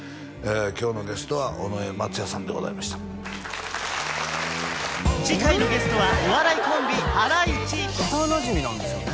今日のゲストは尾上松也さんでございました次回のゲストはお笑いコンビハライチ幼なじみなんですよね？